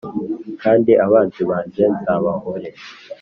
kandi abanzi banjye, nzabahore.